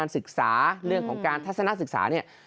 สึกศา